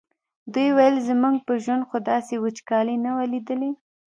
دوی ویل زموږ په ژوند خو داسې وچکالي نه وه لیدلې.